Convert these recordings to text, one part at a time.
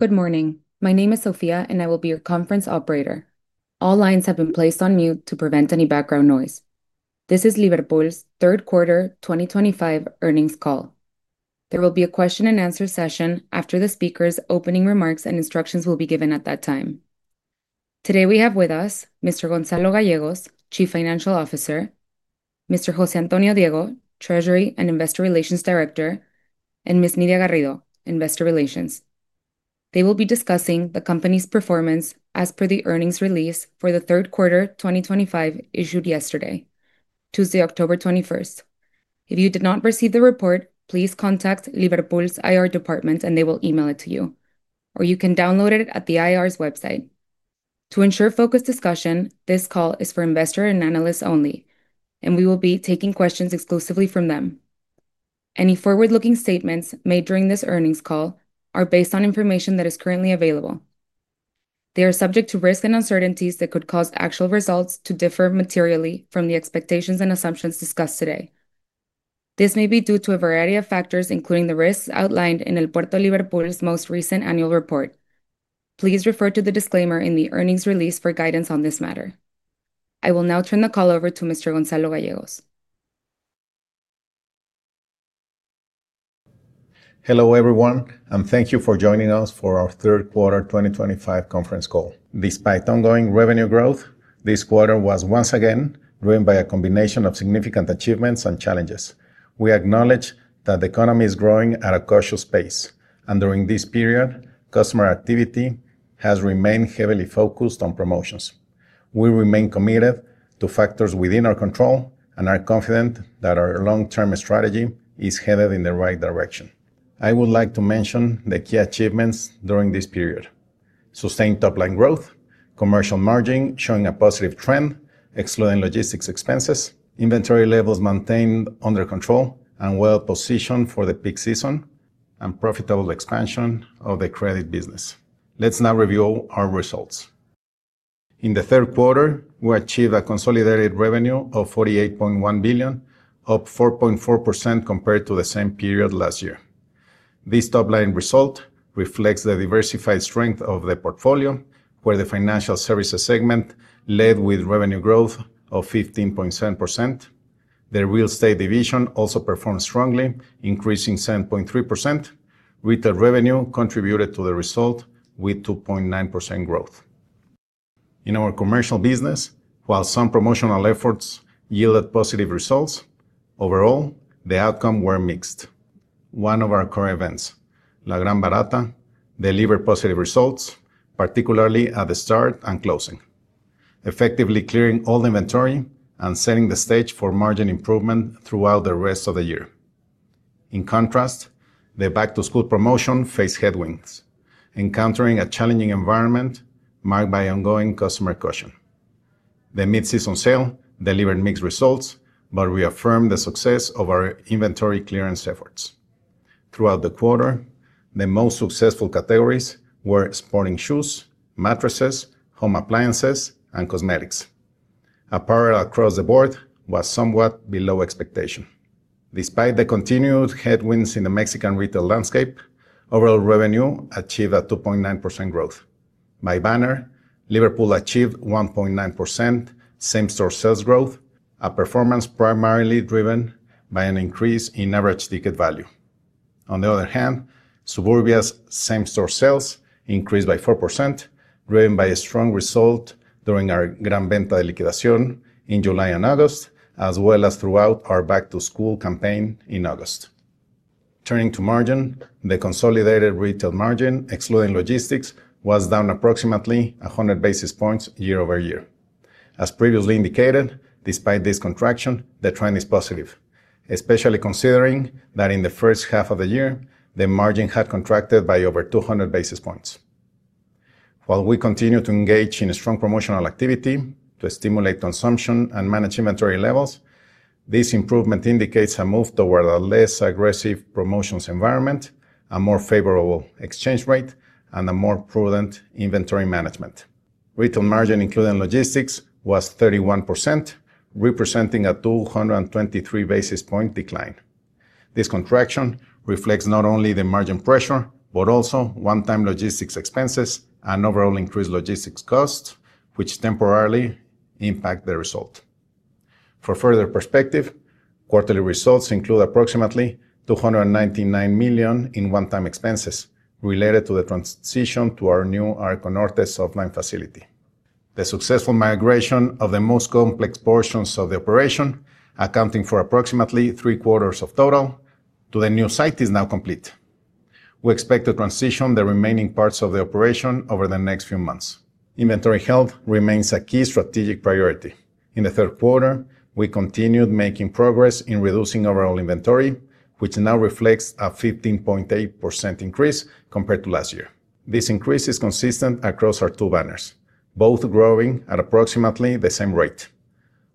Good morning. My name is Sofia and I will be your conference operator. All lines have been placed on mute to prevent any background noise. This is Liverpool's third quarter 2025 earnings call. There will be a question and answer session after the speakers' opening remarks, and instructions will be given at that time. Today we have with us Mr. Gonzalo Gallegos, Chief Financial Officer, Mr. Jose Antonio Diego, Treasury and Investor Relations Director, and Ms. Nidia Garrido, Investor Relations. They will be discussing the company's performance as per the earnings release for the third quarter 2025 issued yesterday, Tuesday, October 21. If you did not receive the report, please contact Liverpool's IR department and they will email it to you, or you can download it at the IR website. To ensure focused discussion, this call is for investors and analysts only, and we will be taking questions exclusively from them. Any forward-looking statements made during this earnings call are based on information that is currently available. They are subject to risks and uncertainties that could cause actual results to differ materially from the expectations and assumptions discussed today. This may be due to a variety of factors, including the risks outlined in El Puerto de Liverpool's most recent annual report. Please refer to the disclaimer in the earnings release for guidance on this matter. I will now turn the call over to Mr. Gonzalo Gallegos. Hello everyone, and thank you for joining us for our third quarter 2025 conference call. Despite ongoing revenue growth, this quarter was once again driven by a combination of significant achievements and challenges. We acknowledge that the economy is growing at a cautious pace, and during this period, customer activity has remained heavily focused on promotions. We remain committed to factors within our control and are confident that our long-term strategy is headed in the right direction. I would like to mention the key achievements during this period: sustained top-line growth, commercial margin showing a positive trend, excluding logistics expenses, inventory levels maintained under control and well positioned for the peak season, and profitable expansion of the credit business. Let's now review our results. In the third quarter, we achieved a consolidated revenue of 48.1 billion, up 4.4% compared to the same period last year. This top-line result reflects the diversified strength of the portfolio, where the financial services segment led with revenue growth of 15.7%. The real estate division also performed strongly, increasing 7.3%. Retail revenue contributed to the result with 2.9% growth. In our commercial business, while some promotional efforts yielded positive results, overall, the outcomes were mixed. One of our core events, La Gran Barata, delivered positive results, particularly at the start and closing, effectively clearing all inventory and setting the stage for margin improvement throughout the rest of the year. In contrast, the back-to-school promotion faced headwinds, encountering a challenging environment marked by ongoing customer caution. The mid-season sale delivered mixed results, but reaffirmed the success of our inventory clearance efforts. Throughout the quarter, the most successful categories were sporting shoes, mattresses, home appliances, and cosmetics. Apparel across the board was somewhat below expectation. Despite the continued headwinds in the Mexican retail landscape, overall revenue achieved a 2.9% growth. By banner, Liverpool achieved 1.9% same-store sales growth, a performance primarily driven by an increase in average ticket value. On the other hand, Suburbia's same-store sales increased by 4%, driven by a strong result during our Gran Venta de Liquidación in July and August, as well as throughout our back-to-school campaign in August. Turning to margin, the consolidated retail margin, excluding logistics, was down approximately 100 basis points year-over-year. As previously indicated, despite this contraction, the trend is positive, especially considering that in the first half of the year, the margin had contracted by over 200 basis points. While we continue to engage in strong promotional activity to stimulate consumption and manage inventory levels, this improvement indicates a move toward a less aggressive promotions environment, a more favorable exchange rate, and a more prudent inventory management. Retail margin, including logistics, was 31%, representing a 223 basis point decline. This contraction reflects not only the margin pressure, but also one-time logistics expenses and overall increased logistics costs, which temporarily impact the result. For further perspective, quarterly results include approximately 299 million in one-time expenses related to the transition to our new Arco Norte softline facility. The successful migration of the most complex portions of the operation, accounting for approximately three quarters of total, to the new site is now complete. We expect to transition the remaining parts of the operation over the next few months. Inventory health remains a key strategic priority. In the third quarter, we continued making progress in reducing overall inventory, which now reflects a 15.8% increase compared to last year. This increase is consistent across our two banners, both growing at approximately the same rate.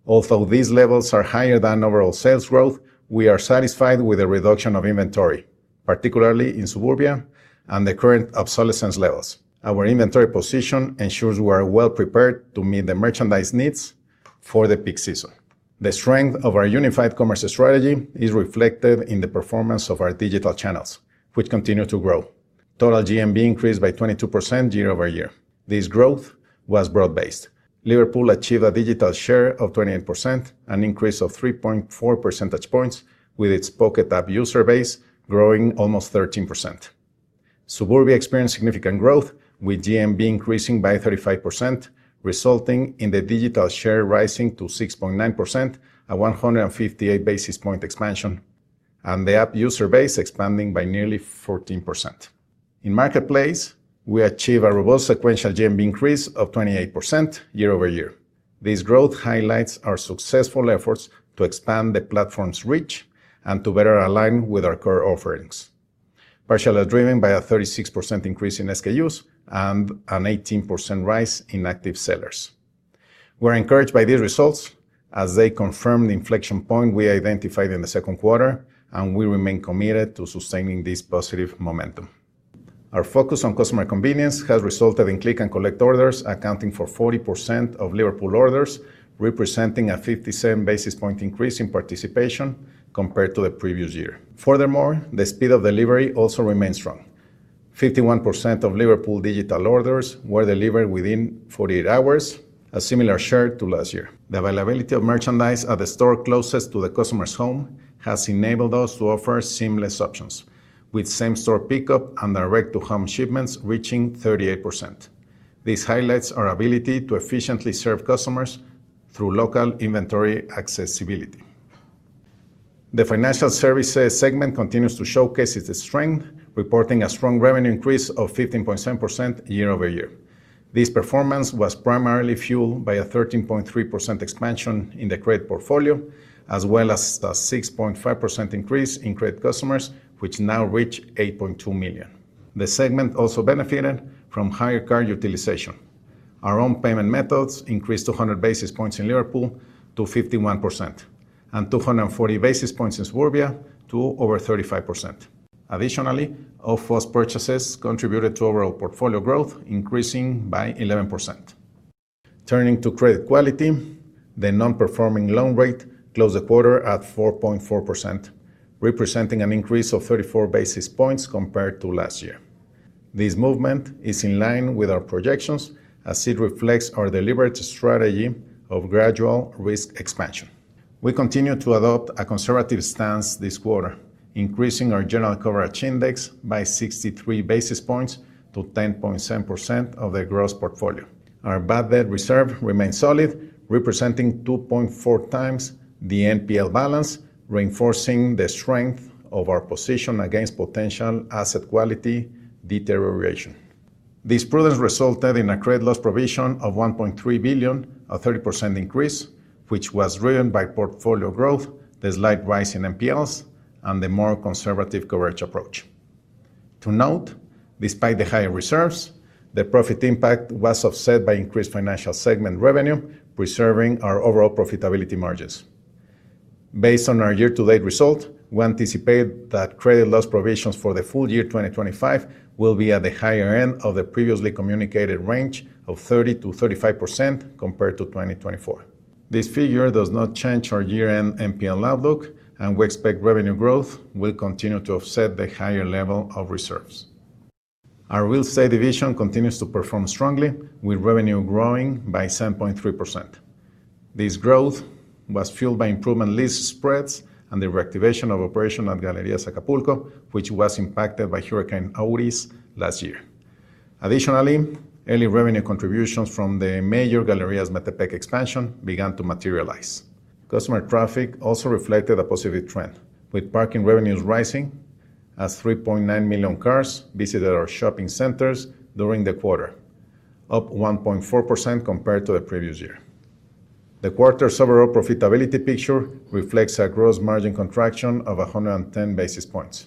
Although these levels are higher than overall sales growth, we are satisfied with the reduction of inventory, particularly in Suburbia and the current obsolescence levels. Our inventory position ensures we are well prepared to meet the merchandise needs for the peak season. The strength of our unified commerce strategy is reflected in the performance of our digital channels, which continue to grow. Total GMV increased by 22% year-over-year. This growth was broad-based. Liverpool achieved a digital share of 28%, an increase of 3.4 percentage points, with its pocket app user base growing almost 13%. Suburbia experienced significant growth, with GMV increasing by 35%, resulting in the digital share rising to 6.9%, a 158 basis point expansion, and the app user base expanding by nearly 14%. In marketplace, we achieved a robust sequential GMV increase of 28% year-over-year. This growth highlights our successful efforts to expand the platform's reach and to better align with our core offerings, partially driven by a 36% increase in SKUs and an 18% rise in active sellers. We're encouraged by these results as they confirm the inflection point we identified in the second quarter, and we remain committed to sustaining this positive momentum. Our focus on customer convenience has resulted in click and collect orders accounting for 40% of Liverpool orders, representing a 57 basis point increase in participation compared to the previous year. Furthermore, the speed of delivery also remains strong. 51% of Liverpool digital orders were delivered within 48 hours, a similar share to last year. The availability of merchandise at the store closest to the customer's home has enabled us to offer seamless options, with same-store pickup and direct-to-home shipments reaching 38%. This highlights our ability to efficiently serve customers through local inventory accessibility. The financial services segment continues to showcase its strength, reporting a strong revenue increase of 15.7% year-over-year. This performance was primarily fueled by a 13.3% expansion in the credit portfolio, as well as a 6.5% increase in credit customers, which now reach 8.2 million. The segment also benefited from higher card utilization. Our own payment methods increased 200 basis points in Liverpool to 51% and 240 basis points in Suburbia to over 35%. Additionally, all-faucet purchases contributed to overall portfolio growth, increasing by 11%. Turning to credit quality, the non-performing loan rate closed the quarter at 4.4%, representing an increase of 34 basis points compared to last year. This movement is in line with our projections, as it reflects our deliberate strategy of gradual risk expansion. We continue to adopt a conservative stance this quarter, increasing our general coverage index by 63 basis points to 10.7% of the gross portfolio. Our bad debt reserve remains solid, representing 2.4x the NPL balance, reinforcing the strength of our position against potential asset quality deterioration. This prudence resulted in a credit loss provision of 1.3 billion, a 30% increase, which was driven by portfolio growth, the slight rise in NPLs, and the more conservative coverage approach. To note, despite the higher reserves, the profit impact was offset by increased financial segment revenue, preserving our overall profitability margins. Based on our year-to-date result, we anticipate that credit loss provisions for the full year 2025 will be at the higher end of the previously communicated range of 30%-35% compared to 2024. This figure does not change our year-end NPL outlook, and we expect revenue growth will continue to offset the higher level of reserves. Our real estate division continues to perform strongly, with revenue growing by 7.3%. This growth was fueled by improved lease spreads and the reactivation of operations at Galerías Acapulco, which was impacted by Hurricane Otis last year. Additionally, early revenue contributions from the major Galerías Metepec expansion began to materialize. Customer traffic also reflected a positive trend, with parking revenues rising, as 3.9 million cars visited our shopping centers during the quarter, up 1.4% compared to the previous year. The quarter's overall profitability picture reflects a gross margin contraction of 110 basis points.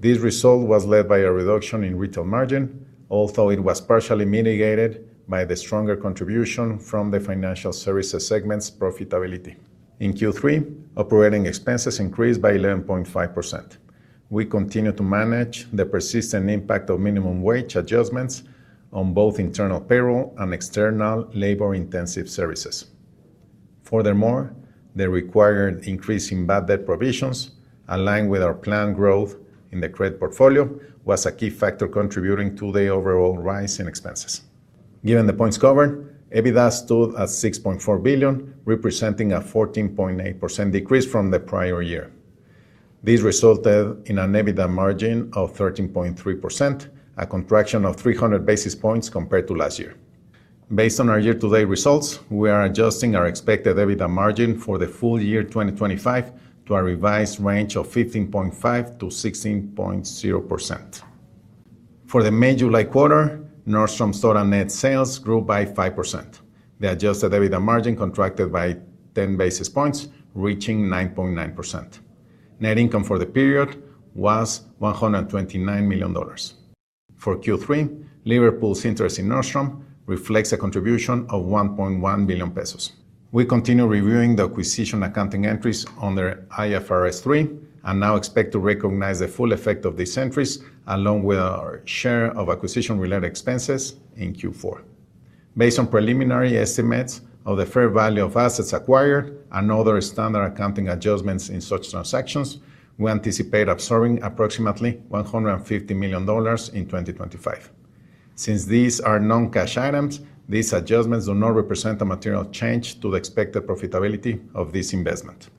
This result was led by a reduction in retail margin, although it was partially mitigated by the stronger contribution from the financial services segment's profitability. In Q3, operating expenses increased by 11.5%. We continue to manage the persistent impact of minimum wage adjustments on both internal payroll and external labor-intensive services. Furthermore, the required increase in bad debt provisions, aligned with our planned growth in the credit portfolio, was a key factor contributing to the overall rise in expenses. Given the points covered, EBITDA stood at 6.4 billion, representing a 14.8% decrease from the prior year. This resulted in an EBITDA margin of 13.3%, a contraction of 300 basis points compared to last year. Based on our year-to-date results, we are adjusting our expected EBITDA margin for the full year 2025 to our revised range of 15.5%-16.0%. For the May-July quarter, Nordstrom's total net sales grew by 5%. The adjusted EBITDA margin contracted by 10 basis points, reaching 9.9%. Net income for the period was $129 million. For Q3, Liverpool's interest in Nordstrom reflects a contribution of 1.1 billion pesos. We continue reviewing the acquisition accounting entries under IFRS 3 and now expect to recognize the full effect of these entries, along with our share of acquisition-related expenses in Q4. Based on preliminary estimates of the fair value of assets acquired and other standard accounting adjustments in such transactions, we anticipate absorbing approximately $150 million in 2025. Since these are non-cash items, these adjustments do not represent a material change to the expected profitability of this investment.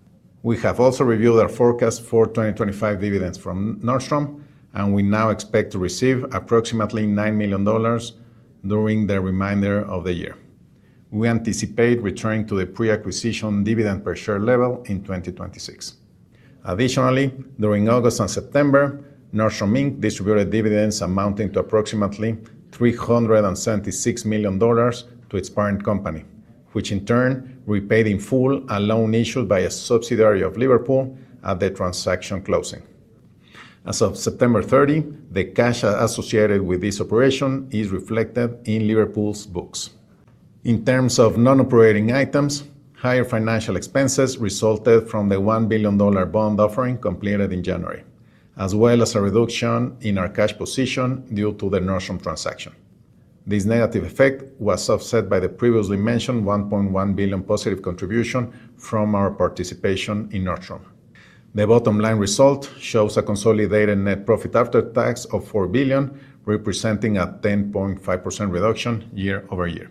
We have also reviewed our forecast for 2025 dividends from Nordstrom, and we now expect to receive approximately $9 million during the remainder of the year. We anticipate returning to the pre-acquisition dividend per share level in 2026. Additionally, during August and September, Nordstrom Inc. distributed dividends amounting to approximately $376 million to its parent company, which in turn repaid in full a loan issued by a subsidiary of Liverpool at the transaction closing. As of September 30, the cash associated with this operation is reflected in Liverpool's books. In terms of non-operating items, higher financial expenses resulted from the $1 billion bond offering completed in January, as well as a reduction in our cash position due to the Nordstrom transaction. This negative effect was offset by the previously mentioned 1.1 billion positive contribution from our participation in Nordstrom. The bottom line result shows a consolidated net profit after tax of $4 billion, representing a 10.5% reduction year-over-year.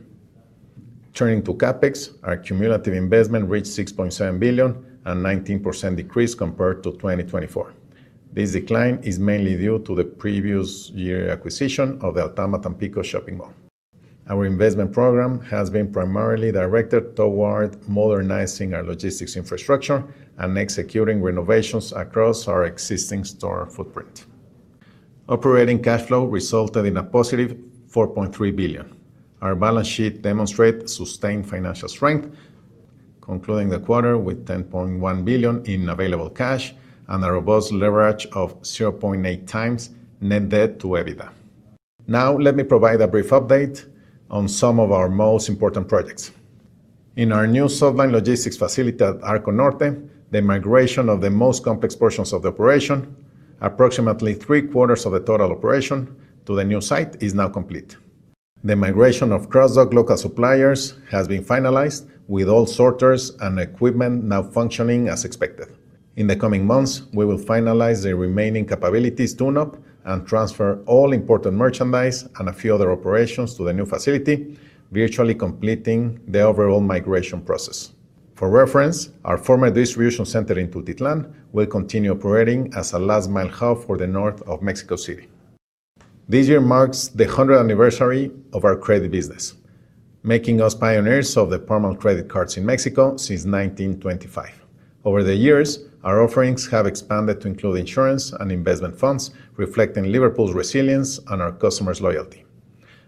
Turning to CapEx, our cumulative investment reached $6.7 billion, a 19% decrease compared to 2024. This decline is mainly due to the previous year's acquisition of the Altama Tampico shopping mall. Our investment program has been primarily directed toward modernizing our logistics infrastructure and executing renovations across our existing store footprint. Operating cash flow resulted in a positive $4.3 billion. Our balance sheet demonstrates sustained financial strength, concluding the quarter with $10.1 billion in available cash and a robust leverage of 0.8x net debt to EBITDA. Now, let me provide a brief update on some of our most important projects. In our new softline logistics facility at Arco Norte, the migration of the most complex portions of the operation, approximately three quarters of the total operation to the new site, is now complete. The migration of cross-dock local suppliers has been finalized, with all sorters and equipment now functioning as expected. In the coming months, we will finalize the remaining capabilities tune-up and transfer all important merchandise and a few other operations to the new facility, virtually completing the overall migration process. For reference, our former distribution center in Tultitlán will continue operating as a last-mile hub for the north of Mexico City. This year marks the 100th anniversary of our credit business, making us pioneers of the permanent credit cards in Mexico since 1925. Over the years, our offerings have expanded to include insurance and investment funds, reflecting Liverpool's resilience and our customers' loyalty.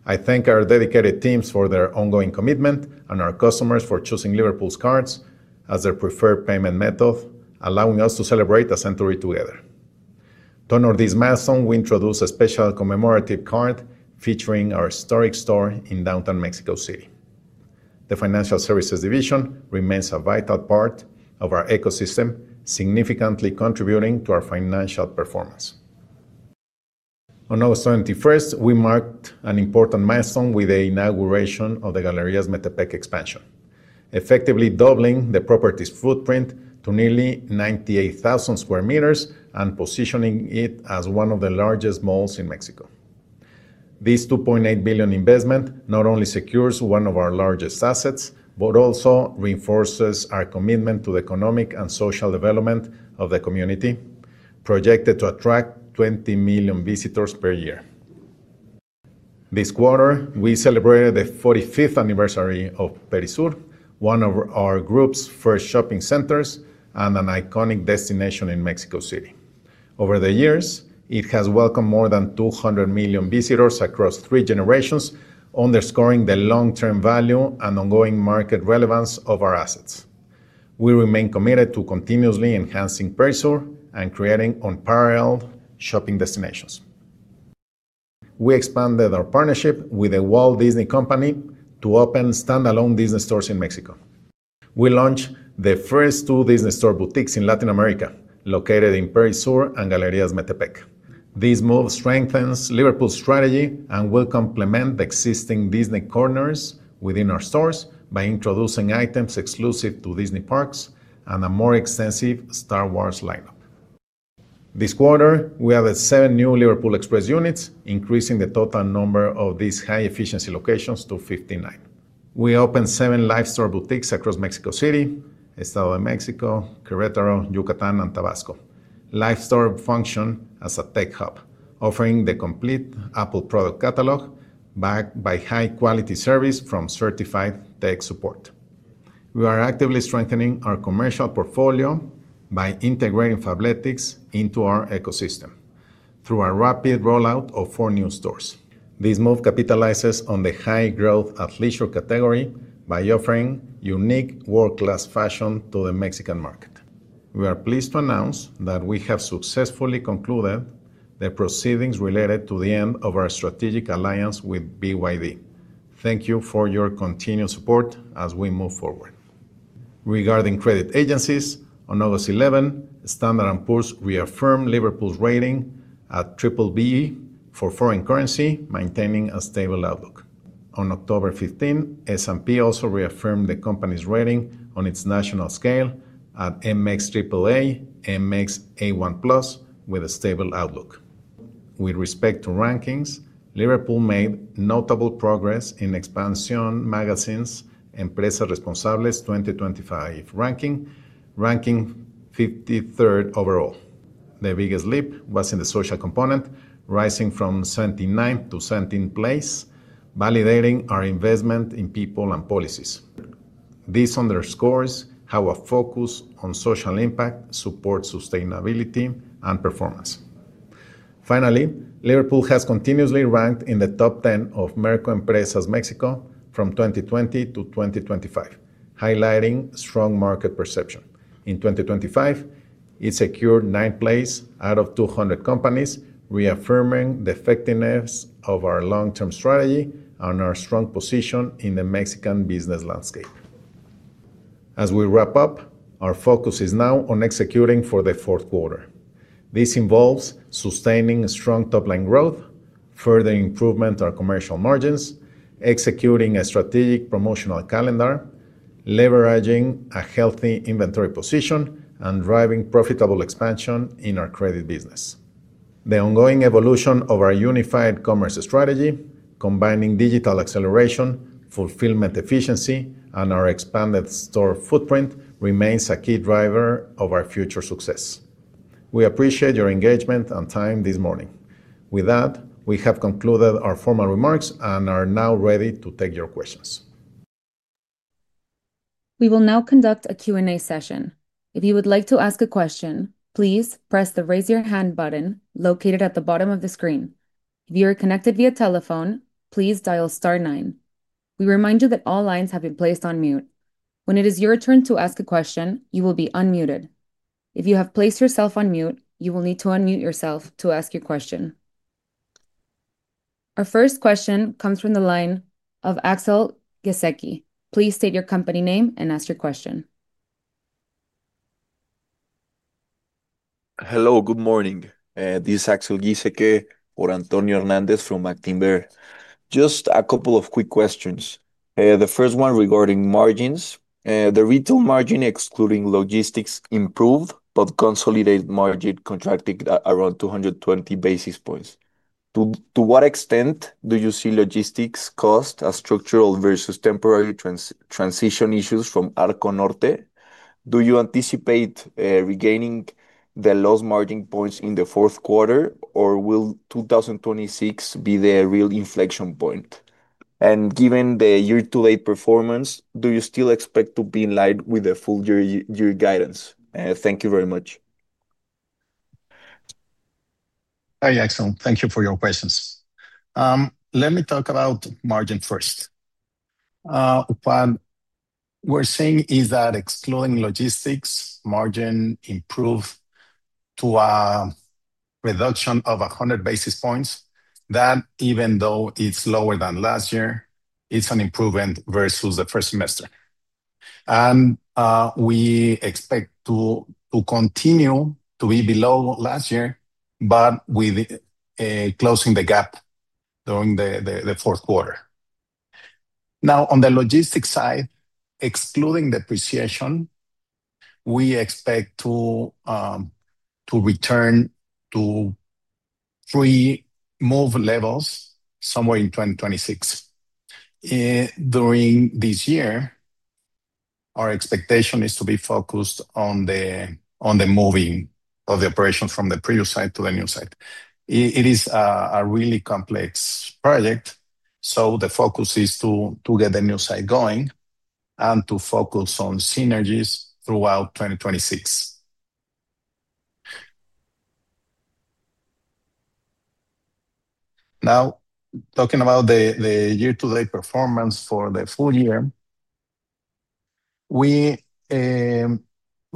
I thank our dedicated teams for their ongoing commitment and our customers for choosing Liverpool's cards as their preferred payment method, allowing us to celebrate a century together. To honor this milestone, we introduced a special commemorative card featuring our historic store in downtown Mexico City. The financial services division remains a vital part of our ecosystem, significantly contributing to our financial performance. On August 21, we marked an important milestone with the inauguration of the Galerías Metepec expansion, effectively doubling the property's footprint to nearly 98,000 sq m and positioning it as one of the largest malls in Mexico. This $2.8 billion investment not only secures one of our largest assets, but also reinforces our commitment to the economic and social development of the community, projected to attract 20 million visitors per year. This quarter, we celebrated the 45th anniversary of Perisur, one of our group's first shopping centers and an iconic destination in Mexico City. Over the years, it has welcomed more than 200 million visitors across three generations, underscoring the long-term value and ongoing market relevance of our assets. We remain committed to continuously enhancing Perisur and creating unparalleled shopping destinations. We expanded our partnership with the Walt Disney Company to open standalone Disney Stores in Mexico. We launched the first two Disney Store boutiques in Latin America, located in Perisur and Galerías Metepec. This move strengthens Liverpool's strategy and will complement the existing Disney corners within our stores by introducing items exclusive to Disney parks and a more extensive Star Wars lineup. This quarter, we added seven new Liverpool Express units, increasing the total number of these high-efficiency locations to 59. We opened seven Live Store boutiques across Mexico City, Estado de México, Querétaro, Yucatán, and Tabasco. Live Store functions as a tech hub, offering the complete Apple product catalog backed by high-quality service from certified tech support. We are actively strengthening our commercial portfolio by integrating Fabletics into our ecosystem through a rapid rollout of four new stores. This move capitalizes on the high growth at leisure category by offering unique world-class fashion to the Mexican market. We are pleased to announce that we have successfully concluded the proceedings related to the end of our strategic alliance with BYD. Thank you for your continued support as we move forward. Regarding credit agencies, on August 11, Standard & Poor’s reaffirmed Liverpool's rating at BBB for foreign currency, maintaining a stable outlook. On October 15, S&P also reaffirmed the company's rating on its national scale at Amex AAA, Amex A1 Plus, with a stable outlook. With respect to rankings, Liverpool made notable progress in Expansión Magazine's Empresas Responsables 2025 ranking, ranking 53rd overall. The biggest leap was in the social component, rising from 79th to 17th place, validating our investment in people and policies. This underscores how a focus on social impact supports sustainability and performance. Finally, Liverpool has continuously ranked in the top 10 of Merco Empresas México from 2020 to 2025, highlighting strong market perception. In 2025, it secured ninth place out of 200 companies, reaffirming the effectiveness of our long-term strategy and our strong position in the Mexican business landscape. As we wrap up, our focus is now on executing for the fourth quarter. This involves sustaining strong top-line growth, further improvement to our commercial margins, executing a strategic promotional calendar, leveraging a healthy inventory position, and driving profitable expansion in our credit business. The ongoing evolution of our unified commerce strategy, combining digital acceleration, fulfillment efficiency, and our expanded store footprint, remains a key driver of our future success. We appreciate your engagement and time this morning. With that, we have concluded our formal remarks and are now ready to take your questions. We will now conduct a Q&A session. If you would like to ask a question, please press the Raise Your Hand button located at the bottom of the screen. If you are connected via telephone, please dial *9. We remind you that all lines have been placed on mute. When it is your turn to ask a question, you will be unmuted. If you have placed yourself on mute, you will need to unmute yourself to ask your question. Our first question comes from the line of Axel Giesecke. Please state your company name and ask your question. Hello, good morning. This is Axel Giesecke for Antonio Hernandez from Actinver. Just a couple of quick questions. The first one regarding margins. The retail margin, excluding logistics, improved, but consolidated margin contracted at around 220 basis points. To what extent do you see logistics cost as structural versus temporary transition issues from Arco Norte? Do you anticipate regaining the lost margin points in the fourth quarter, or will 2026 be the real inflection point? Given the year-to-date performance, do you still expect to be in line with the full year guidance? Thank you very much. Hi, Axel. Thank you for your questions. Let me talk about margin first. What we're seeing is that, excluding logistics, margin improved to a reduction of 100 basis points. That, even though it's lower than last year, is an improvement versus the first semester. We expect to continue to be below last year, but with closing the gap during the fourth quarter. Now, on the logistics side, excluding the depreciation, we expect to return to pre-move levels somewhere in 2026. During this year, our expectation is to be focused on the moving of the operations from the previous site to the new site. It is a really complex project, so the focus is to get the new site going and to focus on synergies throughout 2026. Now, talking about the year-to-date performance for the full year, we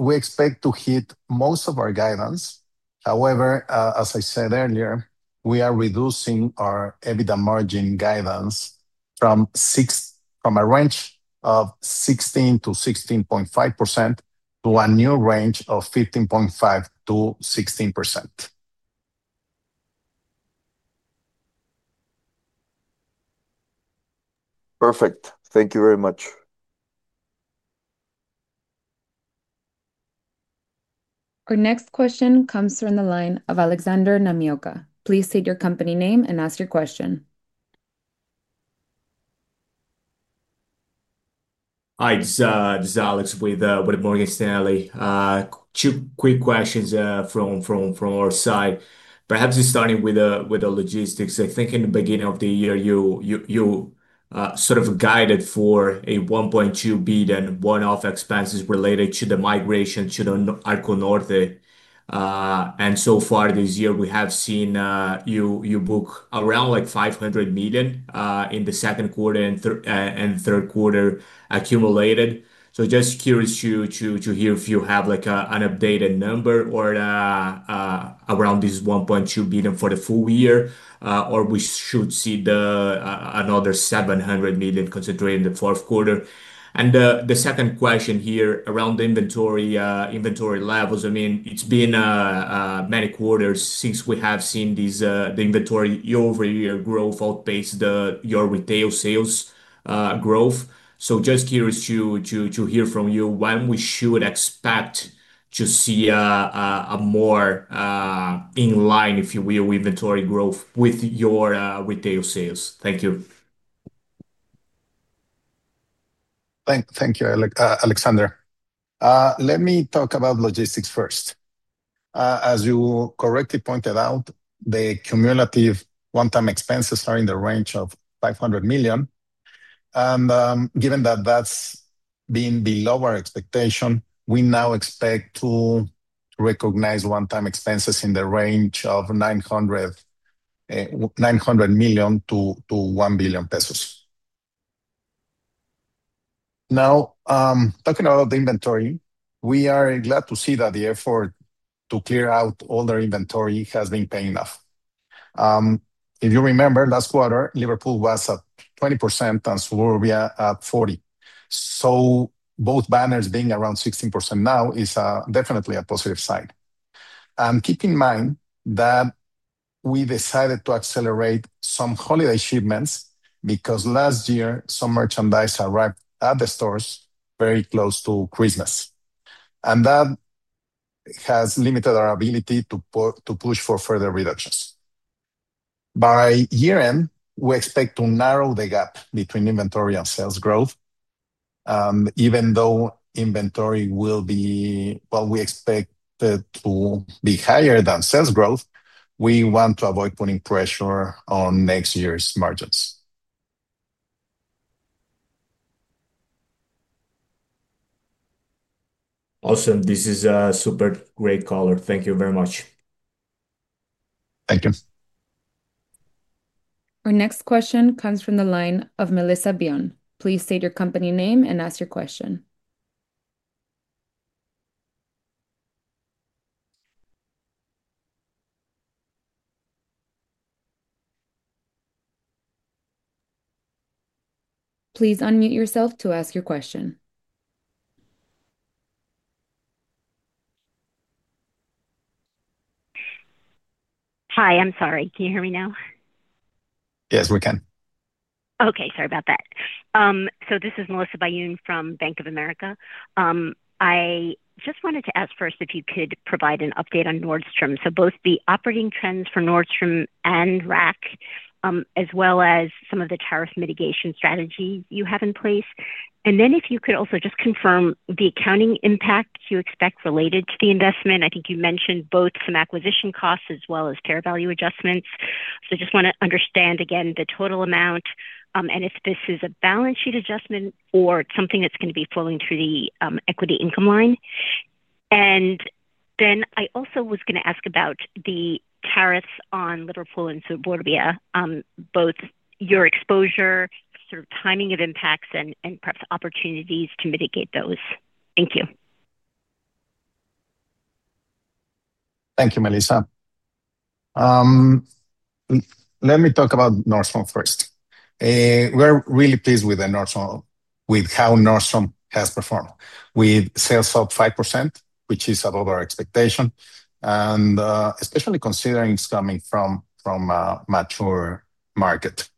expect to hit most of our guidance. However, as I said earlier, we are reducing our EBITDA margin guidance from a range of 16% to 16.5% to a new range of 15.5%-16%. Perfect. Thank you very much. Our next question comes from the line of Alejandro Namioka. Please state your company name and ask your question. Hi, this is Alex with Morgan Stanley. Two quick questions from our side. Perhaps starting with the logistics, I think in the beginning of the year, you sort of guided for a 1.2 billion one-off expense related to the migration to Arco Norte. So far this year, we have seen you book around 500 million in the second quarter and third quarter accumulated. I am just curious to hear if you have an updated number around this 1.2 billion for the full year, or if we should see another 700 million concentrated in the fourth quarter. The second question here is around the inventory levels. It has been many quarters since we have seen the inventory year-over-year growth outpace your retail sales growth. I am just curious to hear from you when we should expect to see a more in line, if you will, inventory growth with your retail sales. Thank you. Thank you, Alejandro. Let me talk about logistics first. As you correctly pointed out, the cumulative one-time expenses are in the range of 500 million. Given that that's been below our expectation, we now expect to recognize one-time expenses in the range of 900 million-1 billion pesos. Now, talking about the inventory, we are glad to see that the effort to clear out all their inventory has paid off. If you remember, last quarter, Liverpool was at 20% and Suburbia at 40%. Both banners being around 16% now is definitely a positive sign. Keep in mind that we decided to accelerate some holiday shipments because last year, some merchandise arrived at the stores very close to Christmas. That has limited our ability to push for further reductions. By year-end, we expect to narrow the gap between inventory and sales growth. Even though inventory will be, we expect to be higher than sales growth, we want to avoid putting pressure on next year's margins. Awesome. This is a super great call. Thank you very much. Thank you. Our next question comes from the line of Melissa Byun. Please state your company name and ask your question. Please unmute yourself to ask your question. I'm sorry. Can you hear me now? Yes, we can. Okay, sorry about that. This is Melissa Byun from Bank of America. I just wanted to ask first if you could provide an update on Nordstrom, both the operating trends for Nordstrom and Rack, as well as some of the tariff mitigation strategies you have in place. If you could also just confirm the accounting impact you expect related to the investment. I think you mentioned both some acquisition costs as well as fair value adjustments. I just want to understand again the total amount, and if this is a balance sheet adjustment or something that's going to be flowing through the equity income line. I also was going to ask about the tariffs on Liverpool and Suburbia, both your exposure, timing of impacts, and perhaps opportunities to mitigate those. Thank you. Thank you, Melissa. Let me talk about Nordstrom first. We're really pleased with how Nordstrom has performed. We sell sub 5%, which is above our expectation, and especially considering it's coming from a mature market.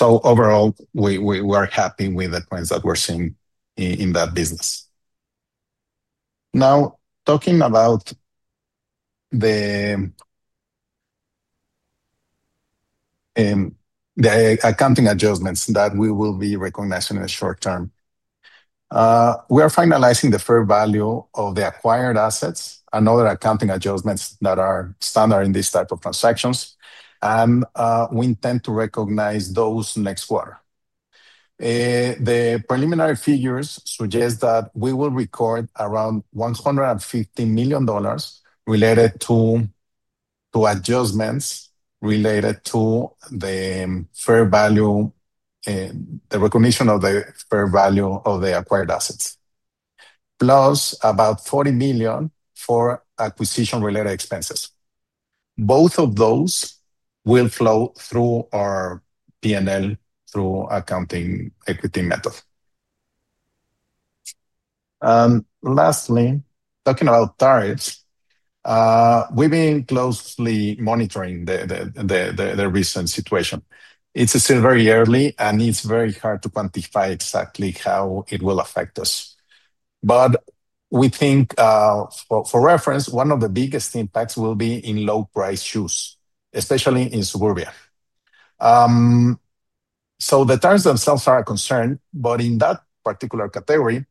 Overall, we are happy with the points that we're seeing in that business. Now, talking about the accounting adjustments that we will be recognizing in the short term, we are finalizing the fair value of the acquired assets and other accounting adjustments that are standard in this type of transactions, and we intend to recognize those next quarter. The preliminary figures suggest that we will record around $115 million related to adjustments related to the fair value, the recognition of the fair value of the acquired assets, plus about $40 million for acquisition-related expenses. Both of those will flow through our P&L through accounting equity method. Lastly, talking about tariffs, we've been closely monitoring the recent situation. It's still very early, and it's very hard to quantify exactly how it will affect us. For reference, one of the biggest impacts will be in low-priced shoes, especially in Suburbia. The tariffs themselves are a concern, but in that particular category,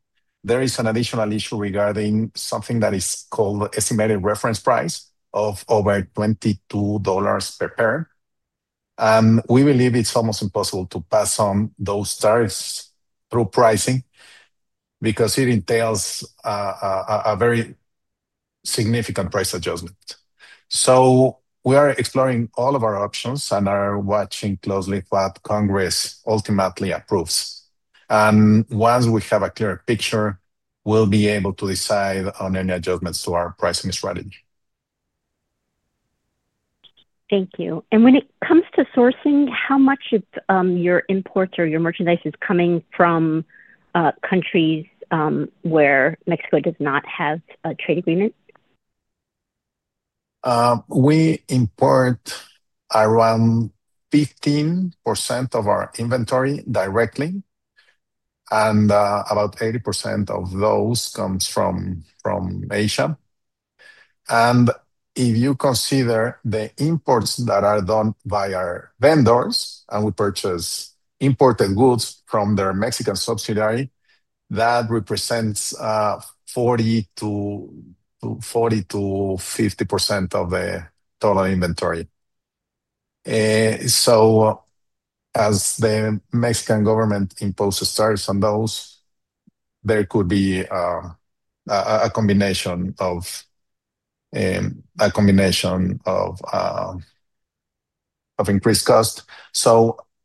there is an additional issue regarding something that is called the estimated reference price of over $22 per pair. We believe it's almost impossible to pass on those tariffs through pricing because it entails a very significant price adjustment. We are exploring all of our options and are watching closely what Congress ultimately approves. Once we have a clear picture, we'll be able to decide on any adjustments to our pricing strategy. Thank you. When it comes to sourcing, how much of your imports or your merchandise is coming from countries where Mexico does not have a trade agreement? We import around 15% of our inventory directly, and about 80% of those come from Asia. If you consider the imports that are done by our vendors, and we purchase imported goods from their Mexican subsidiary, that represents 40%-50% of the total inventory. As the Mexican government imposes tariffs on those, there could be a combination of increased costs.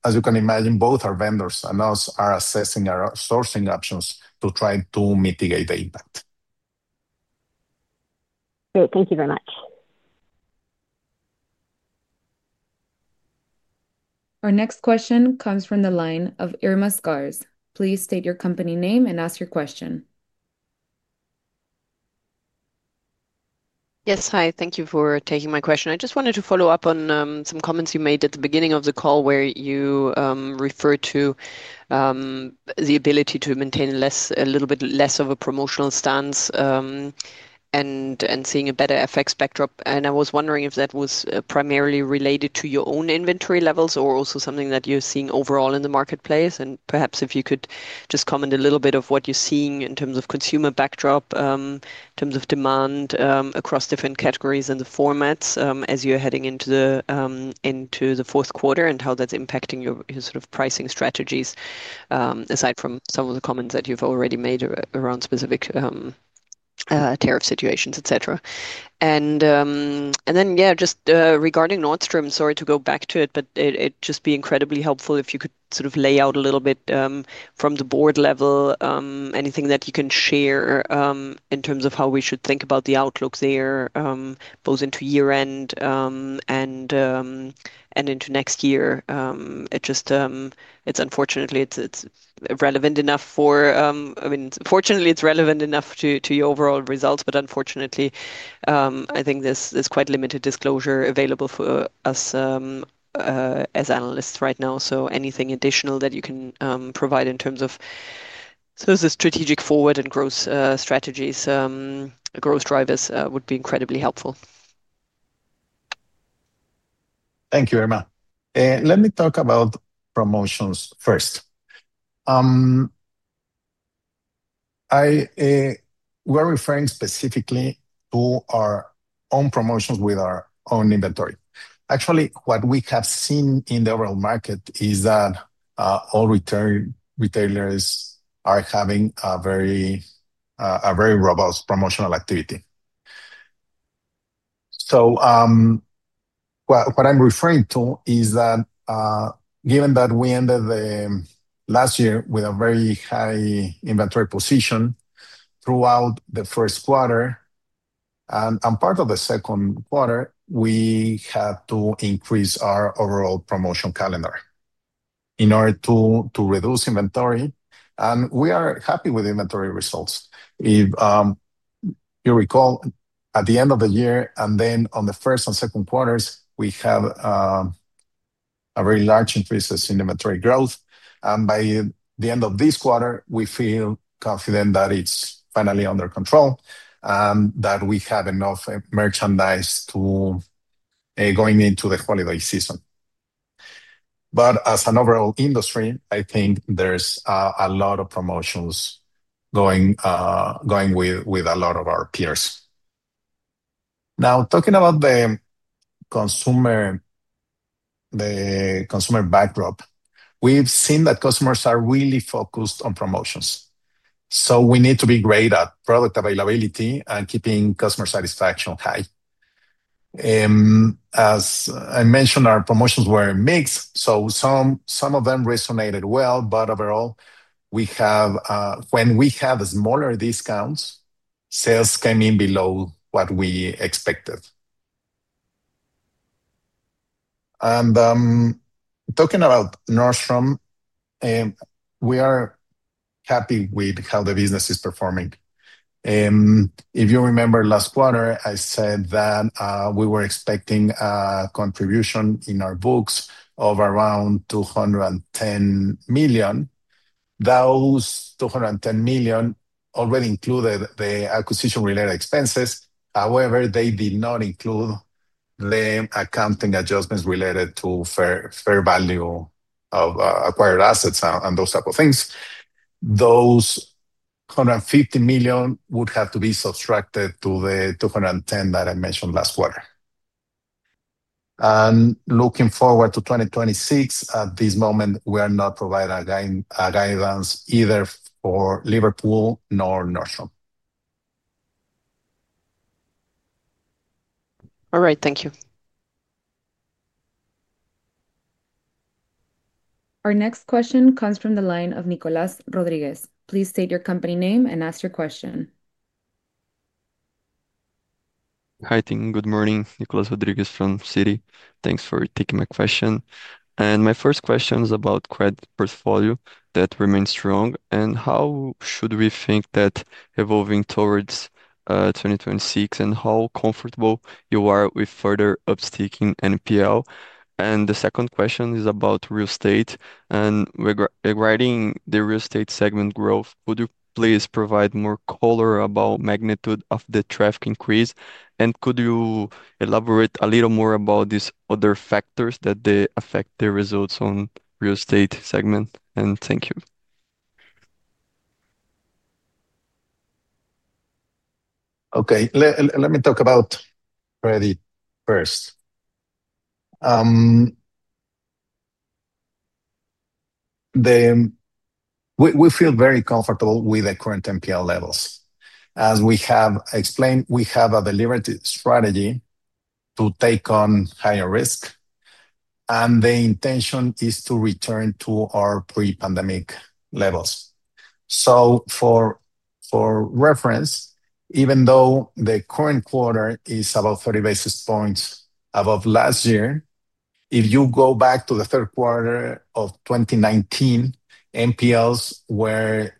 As you can imagine, both our vendors and us are assessing our sourcing options to try to mitigate the impact. Great. Thank you very much. Our next question comes from the line of Irma Sgarz. Please state your company name and ask your question. Yes, hi. Thank you for taking my question. I just wanted to follow up on some comments you made at the beginning of the call where you referred to the ability to maintain a little bit less of a promotional stance and seeing a better FX backdrop. I was wondering if that was primarily related to your own inventory levels or also something that you're seeing overall in the marketplace. Perhaps if you could just comment a little bit on what you're seeing in terms of consumer backdrop, in terms of demand across different categories and the formats as you're heading into the fourth quarter and how that's impacting your sort of pricing strategies, aside from some of the comments that you've already made around specific tariff situations, etc. Just regarding Nordstrom, sorry to go back to it, but it'd just be incredibly helpful if you could sort of lay out a little bit from the board level, anything that you can share in terms of how we should think about the outlook there, both into year-end and into next year. It's unfortunately, it's relevant enough for, I mean, fortunately, it's relevant enough to your overall results, but unfortunately, I think there's quite limited disclosure available for us as analysts right now. Anything additional that you can provide in terms of sort of the strategic forward and growth strategies, growth drivers would be incredibly helpful. Thank you, Irma. Let me talk about promotions first. We're referring specifically to our own promotions with our own inventory. Actually, what we have seen in the overall market is that all retailers are having a very robust promotional activity. What I'm referring to is that given that we ended last year with a very high inventory position throughout the first quarter and part of the second quarter, we had to increase our overall promotion calendar in order to reduce inventory. We are happy with the inventory results. If you recall, at the end of the year and then on the first and second quarters, we had a very large increase in inventory growth. By the end of this quarter, we feel confident that it's finally under control and that we have enough merchandise to go into the holiday season. As an overall industry, I think there's a lot of promotions going with a lot of our peers. Now, talking about the consumer backdrop, we've seen that customers are really focused on promotions. We need to be great at product availability and keeping customer satisfaction high. As I mentioned, our promotions were mixed, so some of them resonated well, but overall, when we had smaller discounts, sales came in below what we expected. Talking about Nordstrom, we are happy with how the business is performing. If you remember last quarter, I said that we were expecting a contribution in our books of around 210 million. Those 210 million already included the acquisition-related expenses. However, they did not include the accounting adjustments related to fair value of acquired assets and those types of things. Those 215 million would have to be subtracted to the 210 that I mentioned last quarter. Looking forward to 2026, at this moment, we are not providing a guidance either for Liverpool nor Nordstrom. All right. Thank you. Our next question comes from the line of Nicolas Rodrigues. Please state your company name and ask your question. Hi, good morning. Nicolas Rodrigues from Citi. Thanks for taking my question. My first question is about credit portfolio that remains strong. How should we think that evolving towards 2026 and how comfortable you are with further upsticking NPL? The second question is about real estate. Regarding the real estate segment growth, would you please provide more color about the magnitude of the traffic increase? Could you elaborate a little more about these other factors that affect the results on the real estate segment? Thank you. Okay. Let me talk about credit first. We feel very comfortable with the current NPL levels. As we have explained, we have a deliberative strategy to take on higher risk. The intention is to return to our pre-pandemic levels. For reference, even though the current quarter is about 30 basis points above last year, if you go back to the third quarter of 2019, NPLs were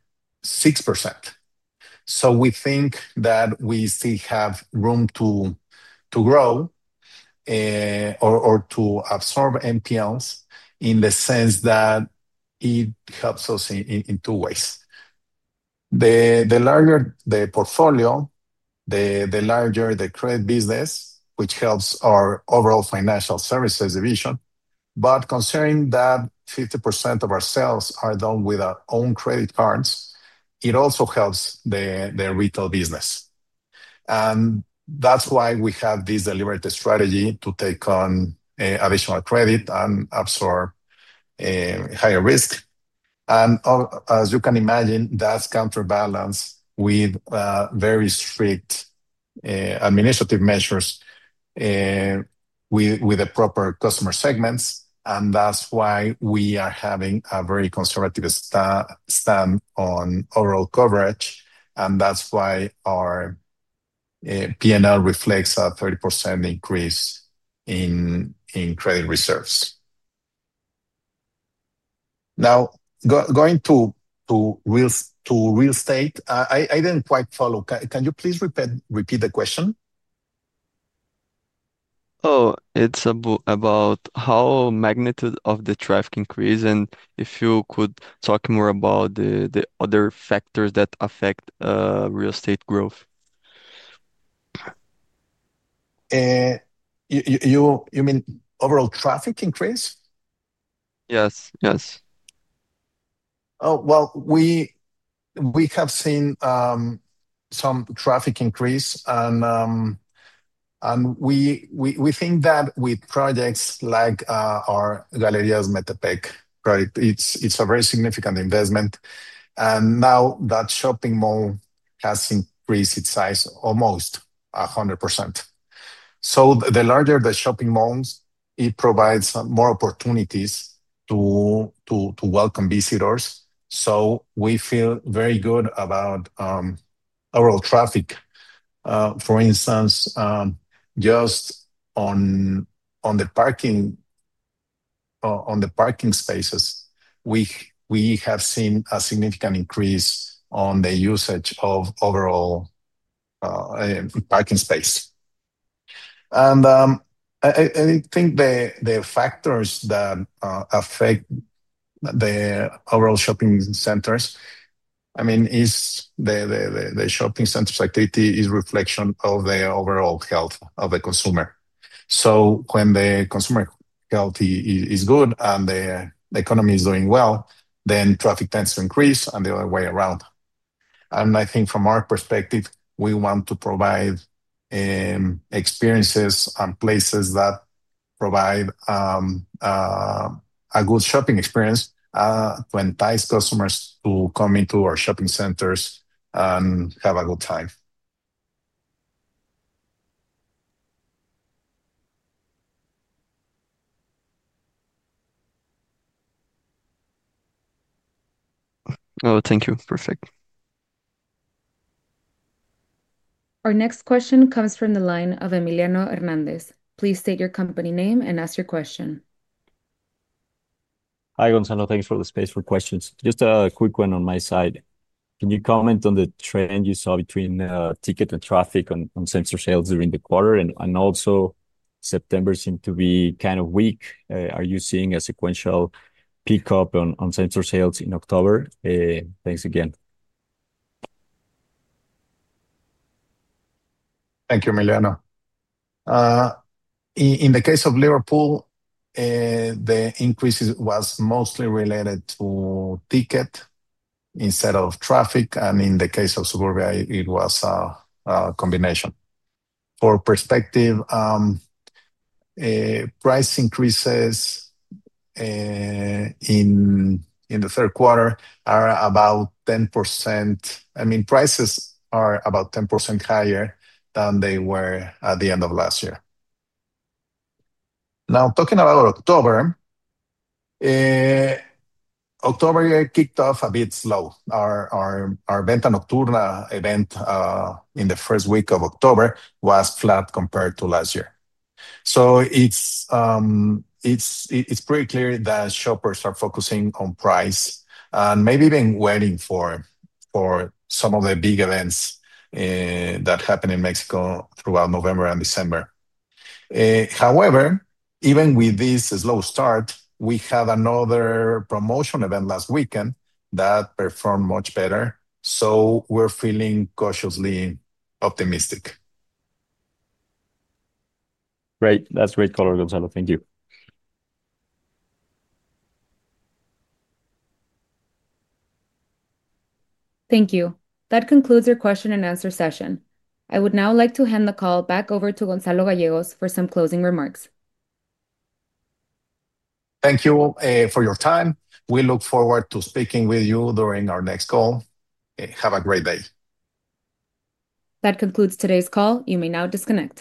6%. We think that we still have room to grow or to absorb NPLs in the sense that it helps us in two ways. The larger the portfolio, the larger the credit business, which helps our overall financial services division. Considering that 50% of our sales are done with our own credit cards, it also helps the retail business. That is why we have this deliberative strategy to take on additional credit and absorb higher risk. As you can imagine, that is counterbalanced with very strict administrative measures with the proper customer segments. That is why we are having a very conservative stand on overall coverage. That is why our P&L reflects a 30% increase in credit reserves. Now, going to real estate, I did not quite follow. Can you please repeat the question? It's about how the magnitude of the traffic increase. If you could talk more about the other factors that affect real estate growth. You mean overall traffic increase? Yes. Oh, we have seen some traffic increase. We think that with projects like our Galerías Metepec project, it's a very significant investment. Now that shopping mall has increased its size almost 100%. The larger the shopping malls, it provides more opportunities to welcome visitors. We feel very good about overall traffic. For instance, just on the parking spaces, we have seen a significant increase in the usage of overall parking space. I think the factors that affect the overall shopping centers, the shopping center's activity is a reflection of the overall health of the consumer. When the consumer health is good and the economy is doing well, then traffic tends to increase and the other way around. I think from our perspective, we want to provide experiences and places that provide a good shopping experience to entice customers to come into our shopping centers and have a good time. Thank you. Perfect. Our next question comes from the line of Emiliano Hernandez. Please state your company name and ask your question. Hi, Gonzalo. Thanks for the space for questions. Just a quick one on my side. Can you comment on the trend you saw between ticket and traffic on sensor sales during the quarter? Also, September seemed to be kind of weak. Are you seeing a sequential pickup on sensor sales in October? Thanks again. Thank you, Emiliano. In the case of Liverpool, the increase was mostly related to ticket instead of traffic. In the case of Suburbia, it was a combination. For perspective, price increases in the third quarter are about 10%. I mean, prices are about 10% higher than they were at the end of last year. Now, talking about October, October year kicked off a bit slow. Our Venta Nocturna event in the first week of October was flat compared to last year. It is pretty clear that shoppers are focusing on price and maybe even waiting for some of the big events that happen in Mexico throughout November and December. However, even with this slow start, we had another promotional event last weekend that performed much better. We are feeling cautiously optimistic. Great. That's a great caller, Gonzalo. Thank you. Thank you. That concludes our question and answer session. I would now like to hand the call back over to Gonzalo Gallegos for some closing remarks. Thank you all for your time. We look forward to speaking with you during our next call. Have a great day. That concludes today's call. You may now disconnect.